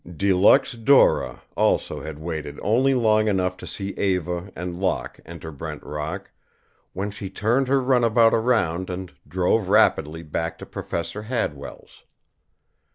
De Luxe Dora also had waited only long enough to see Eva and Locke enter Brent Rock, when she turned her runabout around and drove rapidly back to Professor Hadwell's.